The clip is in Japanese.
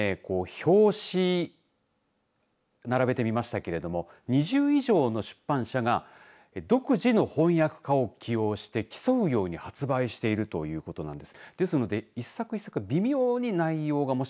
表紙並べてみましたけども２０以上の出版社が独自の翻訳家を起用して競うように発売しているということなんです。